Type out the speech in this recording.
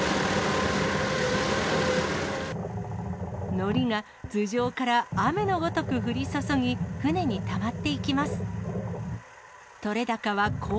のりが頭上から雨のごとく降り注ぎ、船にたまっていきます。